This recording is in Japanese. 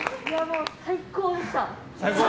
最高でした。